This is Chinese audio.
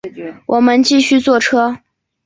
我们继续坐车